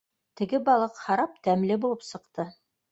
Теге балыҡ харап тәмле булып сыҡты.